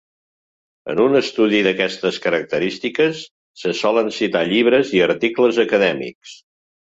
En un estudi d'aquestes característiques, se solen citar llibres i articles acadèmics.